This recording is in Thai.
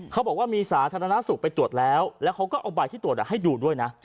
เขาบอกว่ามีสาธารณสุขไปตรวจแล้วแล้วเขาก็เอาใบที่ตรวจให้ดูด้วยนะ